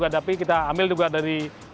hadapi kita ambil juga dari